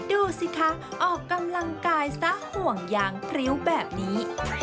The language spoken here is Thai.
ดูสิคะออกกำลังกายซะห่วงยางพริ้วแบบนี้